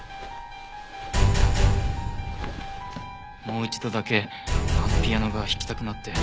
もう一度だけあのピアノが弾きたくなって。